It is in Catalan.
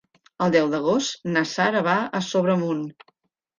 El deu d'agost na Sara va a Sobremunt.